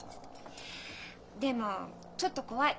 でもちょっと怖い。